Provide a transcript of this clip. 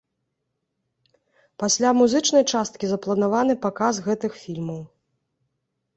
Пасля музычнай часткі запланаваны паказ гэтых фільмаў.